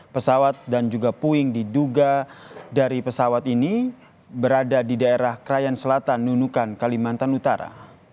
pesawat dan juga puing diduga dari pesawat ini berada di daerah krayan selatan nunukan kalimantan utara